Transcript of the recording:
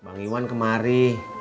bang iwan kemari